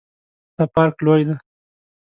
دا پارک لوی ده